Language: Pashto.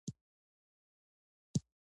ولسواکي د قدرت د مهارولو لاره ده.